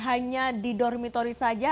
hanya di dormitori saja